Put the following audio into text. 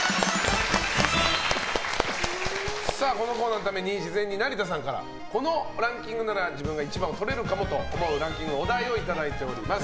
このコーナーのために事前に成田さんからこのランキングなら自分が一番を取れるかもと思うランキングのお題をいただいております。